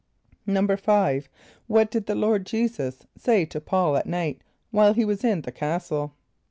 = =5.= What did the Lord J[=e]´[s+]us say to P[a:]ul at night while he was in the castle?